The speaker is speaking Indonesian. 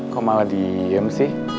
kok malah diem sih